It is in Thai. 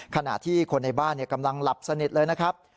ขณะที่คนในบ้านกำลังหลับสนิทเลยนะครับ